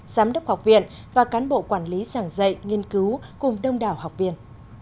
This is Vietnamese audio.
giám đốc học viện và cán bộ quản lý giảng dạy nghiên cứu cùng đông đảo học viên